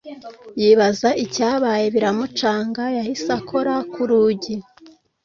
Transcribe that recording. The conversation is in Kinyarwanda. yibaza icyabaye biramucanga yahise akora ku rugi